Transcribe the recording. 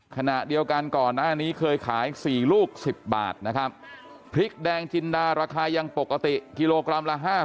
ขณะเดียวกันก่อนหน้านี้เคยขาย๔ลูก๑๐บาทนะครับพริกแดงจินดาราคายังปกติกิโลกรัมละ๕๐